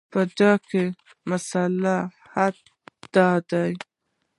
په دې کې مصلحت دا دی.